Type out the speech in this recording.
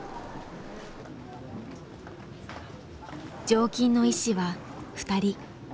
常勤の医師は２人。